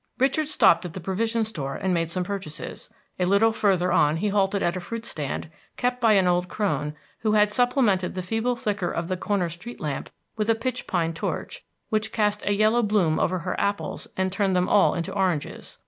Richard stopped at the provision store and made some purchases; a little further on he halted at a fruit stand, kept by an old crone, who had supplemented the feeble flicker of the corner street lamp with a pitch pine torch, which cast a yellow bloom over her apples and turned them all into oranges.